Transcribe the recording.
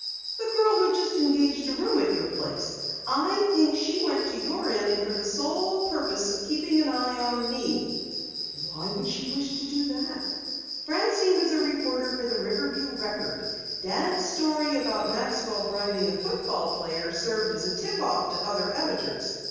"The girl who just engaged a room at your place. I think she went to your Inn for the sole purpose of keeping an eye on me." "Why should she wish to do that?" "Francine is a reporter for the Riverview Record. Dad's story about Maxwell bribing a football player served as a tip off to other editors.